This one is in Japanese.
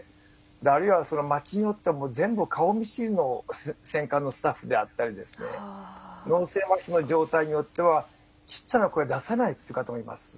あるいは町によっては全部、顔見知りの選管のスタッフであったり脳性まひの状態によっては小さな声を出せない方もいます。